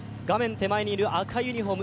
手前にいる赤いユニフォーム